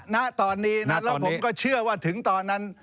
ณตอนนี้นะแล้วผมก็เชื่อว่าถึงตอนนั้น